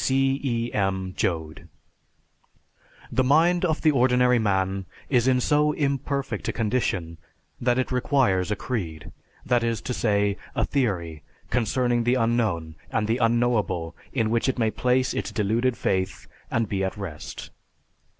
_ C. E. M. JOAD. _The mind of the ordinary man is in so imperfect a condition that it requires a creed; that is to say, a theory concerning the unknown and the unknowable in which it may place its deluded faith and be at rest.